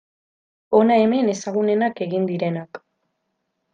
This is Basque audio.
Hona hemen ezagunenak egin direnak.